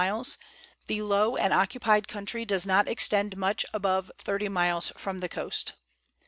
70 miles, the low and occupied country does not extend much above 30 miles from the coast.